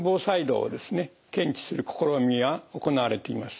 検知する試みが行われています。